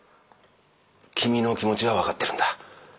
君の気持ちは分かってるんだ。